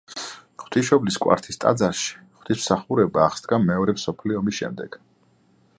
ღვთისმშობლის კვართის ტაძარში ღვთისმსახურება აღსდგა მეორე მსოფლიო ომის შემდეგ.